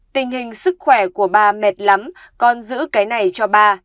tình hình sức khỏe của ba mệt lắm con giữ cái này cho ba